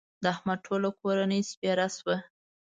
د احمد ټوله کورنۍ سپېره شوه.